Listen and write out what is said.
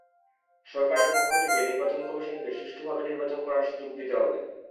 সরকারের পক্ষ থেকে নির্বাচন কমিশনকে সুষ্ঠুভাবে নির্বাচন করার সুযোগ দিতে হবে।